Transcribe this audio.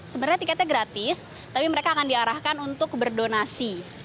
sebenarnya tiketnya gratis tapi mereka akan diarahkan untuk berdonasi